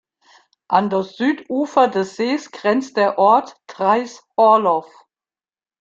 An das Südufer des Sees grenzt der Ort Trais-Horloff.